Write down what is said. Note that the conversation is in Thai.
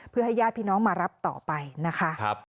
เพื่อให้ญาติพี่น้องมารับต่อไปนะคะ